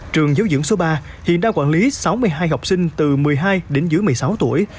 trường giáo dưỡng số ba hiện đang quản lý sáu mươi hai học sinh từ một mươi hai đến dưới một mươi sáu tuổi